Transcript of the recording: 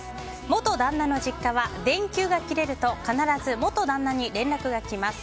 元旦那の実家は電球が切れると必ず元旦那に連絡が来ます。